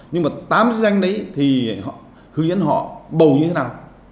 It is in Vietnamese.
nhưng mà tám chức danh đấy thì hướng dẫn họ bầu như thế nào